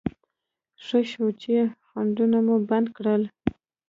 ښه شوه، څو خنډونه مو بند کړل.